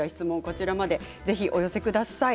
ぜひお寄せください。